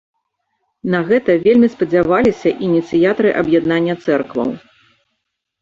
На гэта вельмі спадзяваліся ініцыятары аб'яднання цэркваў.